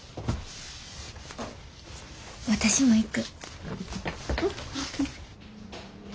私も行く。